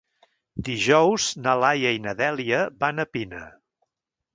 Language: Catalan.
Dijous na Laia i na Dèlia van a Pina.